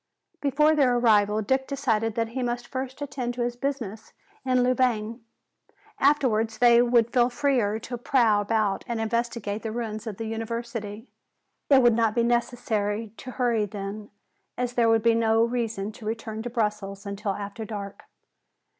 Before their arrival Dick decided that he must first attend to his business in Louvain. Afterwards they would feel freer to prowl about and investigate the ruins of the University. It would not be necessary to hurry then, as there would be no reason to return to Brussels until after dark.